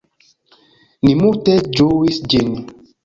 Ni multe ĝuis ĝin.